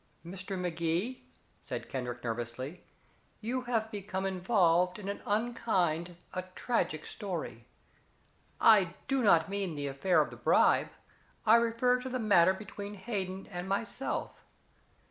"Mr. Magee," said Kendrick nervously, "you have become involved in an unkind, a tragic story. I do not mean the affair of the bribe I refer to the matter between Hayden and myself.